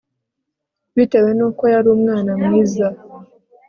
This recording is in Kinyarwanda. bitewe nuko yari umwana mwiza